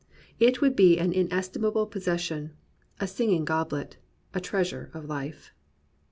It would be an inestimable possession, a singing goblet, a treasure of fife.